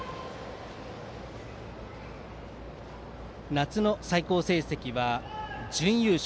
夏の最高成績は準優勝。